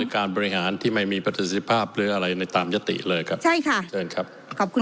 การพรหารที่ไม่มีประติศิภาพหรืออะไรในตามหน้าตริเลยครับ